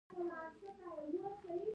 ایران زنده باد.